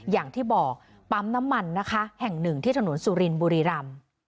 อย่างที่บอกปั๊มน้ำมันนะคะแห่งหนึ่งที่ถนนสุรินบุรีรำ